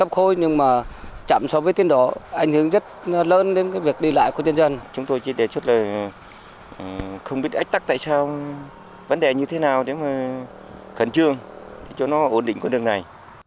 không biết ách tắc tại sao vấn đề như thế nào để mà khẩn trương cho nó ổn định con đường này